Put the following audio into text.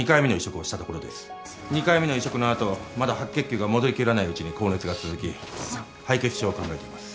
２回目の移植の後まだ白血球が戻りきらないうちに高熱が続き敗血症を考えています。